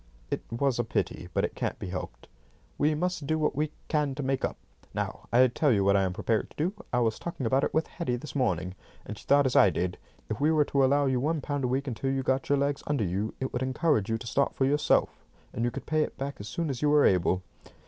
"It was a pity, but it can't be helped." "We must do what we can to make up. Now, I tell you what I am prepared to do. I was talking about it with Hetty this morning, and she thought as I did. If we were to allow you one pound a week until you got your legs under you, it would encourage you to start for yourself, and you could pay it back as soon as you were able."